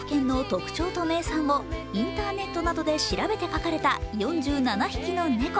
都道府県の特徴と名産をインターネットなどで調べて描かれた４７匹のネコ。